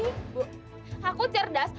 bu aku cerdas